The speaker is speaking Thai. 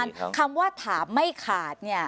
อาจารย์คำว่าถามไม่ขาด